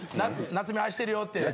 菜摘愛してるよって。